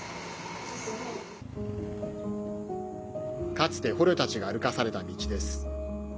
かつて、捕虜たちが歩かされた道です。